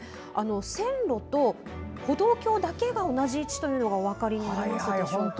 線路と歩道橋だけが同じ位置というのがお分かりになりますでしょうか。